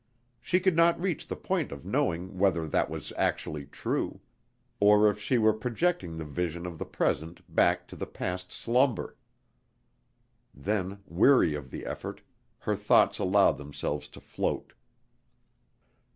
She could not reach the point of knowing whether that was actually true, or if she were projecting the vision of the present back to the past slumber. Then, weary of the effort, her thoughts allowed themselves to float.